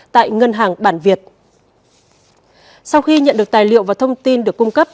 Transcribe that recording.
tại ngân hàng bản việt sau khi nhận được tài liệu và thông tin được cung cấp